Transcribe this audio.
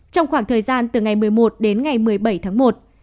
trong khoảng thời gian từ ngày một mươi một đến ngày một mươi bảy tháng một